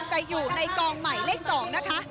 จะอยู่ในกองใหม่เลข๒นะคะ